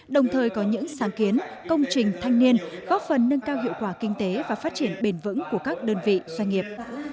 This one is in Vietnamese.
đồng thời có những sáng kiến công trình thanh niên góp phần nâng cao hiệu quả kinh tế và phát triển bền vững của các đơn vị doanh nghiệp